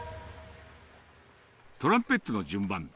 トランペットの順番。